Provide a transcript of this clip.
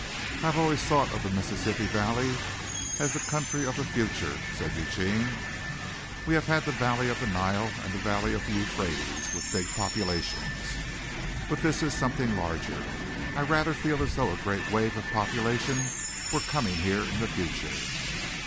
"I have always thought of the Mississippi valley as the country of the future," said Eugene. "We have had the Valley of the Nile and the Valley of the Euphrates with big populations, but this is something larger. I rather feel as though a great wave of population were coming here in the future."